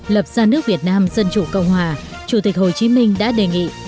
lập ra nước việt nam dân chủ cộng hòa chủ tịch hồ chí minh đã đề nghị